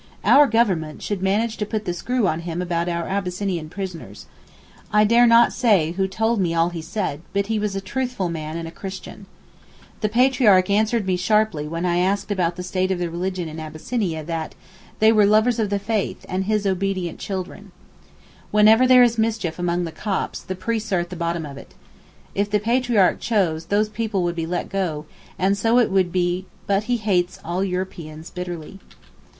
Our Government should manage to put the screw on him about our Abyssinian prisoners. I dare not say who told me all he said, but he was a truthful man and a Christian. The Patriarch answered me sharply when I asked about the state of religion in Abyssinia that, 'they were lovers of the faith, and his obedient children.' Whenever there is mischief among the Copts, the priests are at the bottom of it. If the Patriarch chose those people would be let go; and so it would be but he hates all Europeans bitterly.